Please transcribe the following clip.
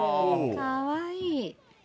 かわいい。